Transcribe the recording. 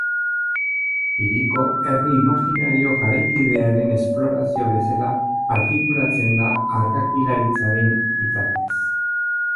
Hiriko herri imaginario garaikidearen explorazio bezela artikulatzen da argakilaritzaren bitartez.